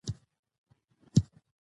مصدر د کار یا حالت نوم دئ.